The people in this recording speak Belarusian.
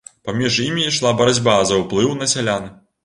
Паміж імі ішла барацьба за ўплыў на сялян.